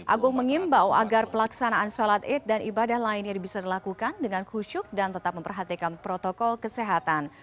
agung mengimbau agar pelaksanaan sholat id dan ibadah lainnya bisa dilakukan dengan khusyuk dan tetap memperhatikan protokol kesehatan